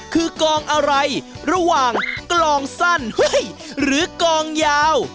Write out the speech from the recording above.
คือกองอะไรระหว่างกลองสั้นหรือกองยาว